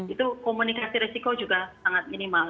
itu komunikasi resiko juga sangat minimal